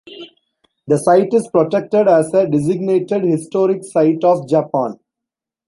The site is protected as a Designated Historic Site of Japan.